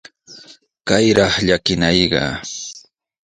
¡Kayraq llakinayqa!